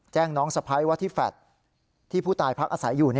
น้องสะพ้ายว่าที่แฟลตที่ผู้ตายพักอาศัยอยู่